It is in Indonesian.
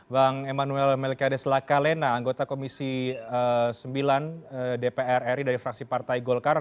bang emanuel melkeades la calena anggota komisi sembilan dpr ri dari fraksi partai golkar